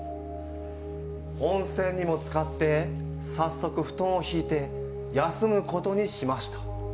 温泉にもつかって早速布団を敷いて休むことにしました。